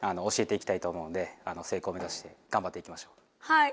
はい！